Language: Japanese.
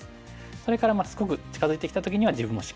それからすごく近づいてきた時には自分もしっかり打つ。